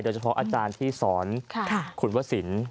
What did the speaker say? โดยเฉพาะอาจารย์ที่สอนคุณวะสิน